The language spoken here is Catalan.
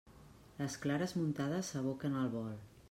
Les clares muntades s'aboquen al bol.